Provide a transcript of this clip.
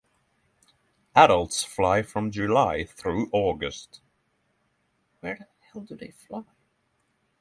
Adults fly from July through August.